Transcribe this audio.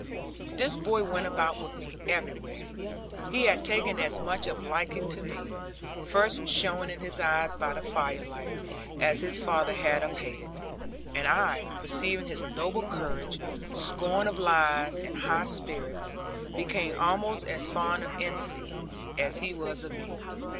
This boy went about with me everywhere. He had taken as much of liking to me first shown in his eyes by the firelight as his father had of hatred; and I, perceiving his noble courage, scorn of lies, and high spirit, became almost as fond of Ensie as he was of me.